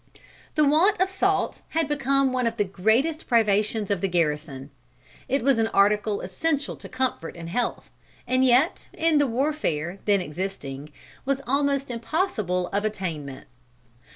The want of salt had become one of the greatest privations of the garrison. It was an article essential to comfort and health, and yet, in the warfare then existing, was almost impossible of attainment.